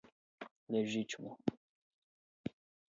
legítimo